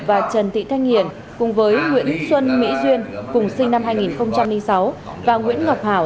và trần thị thanh hiền cùng với nguyễn xuân mỹ duyên cùng sinh năm hai nghìn sáu và nguyễn ngọc hảo